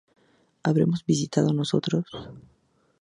¿Habremos visitado nosotros?